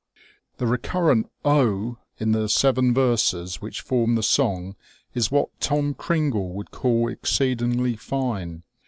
The recurrent " Oh !" in the seven verses which form the song is what Tom Cringle would call exceedingly fine.